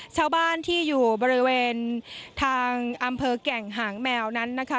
ชาวบ้านที่อยู่บริเวณทางอำเภอแก่งหางแมวนั้นนะคะ